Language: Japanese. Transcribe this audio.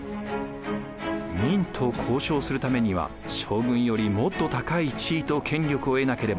明と交渉するためには将軍よりもっと高い地位と権力を得なければ。